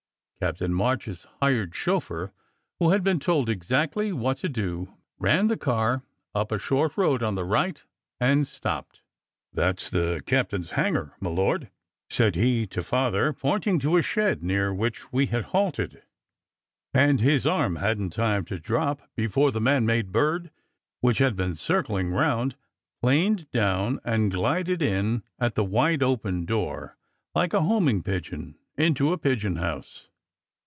Captain March s hired chauffeur, who had been told exactly what to do, ran the car up a short road on the right, and stopped. "That s the captain s hangar, my lord," said he to Father, pointing to a shed near which we had halted; and his arm hadn t time to drop before the man made bird, which had been circling round, planed down and glided in at the wide open door like a homing pigeon into a pigeon house.